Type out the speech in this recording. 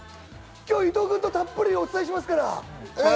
今日、伊藤君とたっぷりとお伝えしますから。